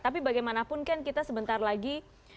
tapi bagaimanapun kan kita sebentar lagi